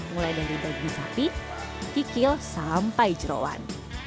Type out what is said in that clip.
mulai dari daging sapi kikil sampai jerawan